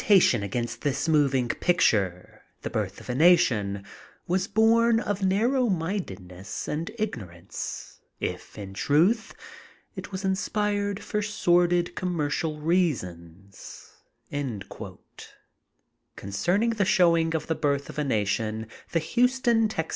News: Tke agitadon against this moving picture, *The Birth of a Nation,* was bom of narrow mindedness and ignorance, if, in truth, it was was inspired for sordid commercial reasons/* G>nceming the showing of The Birth of a Na tion, the Houston (Tex.)